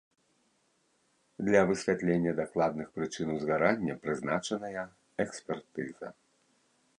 Для высвятлення дакладных прычын узгарання прызначаная экспертыза.